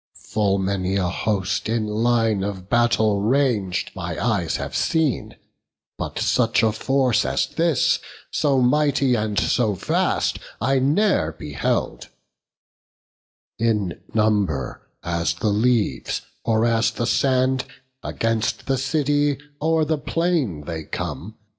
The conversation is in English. Full many a host in line of battle rang'd My eyes have seen; but such a force as this, So mighty and so vast, I ne'er beheld: In number as the leaves, or as the sand, Against the city o'er the plain they come.